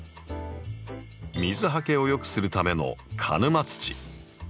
水はけをよくするための鹿沼土。